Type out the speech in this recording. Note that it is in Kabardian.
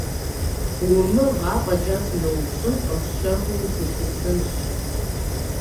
Умыгъ, афӏэкӏа сыноупщӏынкъым, щэхуу сыщысынщ…